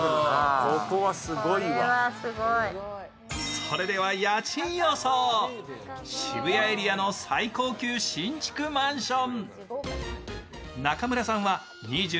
それでは家賃予想、渋谷エリアの最高級新築マンション。